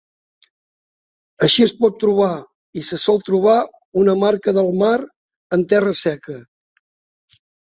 Així es pot trobar i se sol trobar una marca del mar en terra seca.